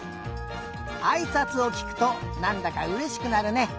あいさつをきくとなんだかうれしくなるね。